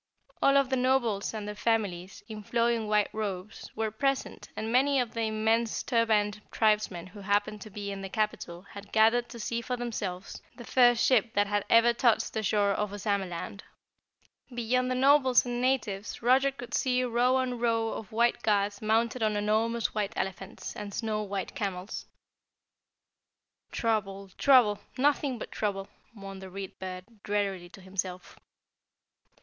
All of the Nobles and their families in flowing white robes were present and many of the immense turbanned tribesmen who happened to be in the capital had gathered to see for themselves the first ship that had ever touched the shore of Ozamaland. Beyond the Nobles and natives Roger could see row on row of white guards mounted on enormous white elephants and snow white camels. "Trouble, trouble, nothing but trouble!" mourned the Read Bird drearily to himself.